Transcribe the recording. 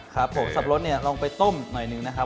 ครับผมสับปะรดเนี่ยลองไปต้มหน่อยหนึ่งนะครับ